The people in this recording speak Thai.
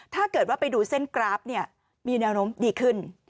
ถ้าเกิดว่าไปดูเส้นกราฟเนี่ยมีแนวโน้มดีขึ้น